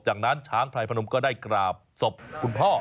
จากนั้นช้างพลายพนมก็ได้กราบศพคุณพ่อ